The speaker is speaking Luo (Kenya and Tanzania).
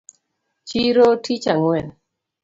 Chiro tich ang’wen